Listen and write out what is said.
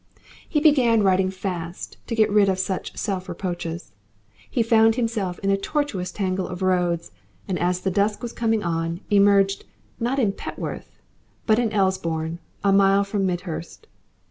He began riding fast to get quit of such selfreproaches. He found himself in a tortuous tangle of roads, and as the dusk was coming on, emerged, not at Petworth but at Easebourne, a mile from Midhurst.